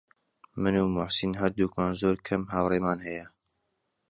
من و موحسین هەردووکمان زۆر کەم هاوڕێمان هەیە.